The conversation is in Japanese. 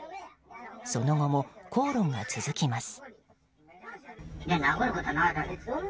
その後も口論が続きます。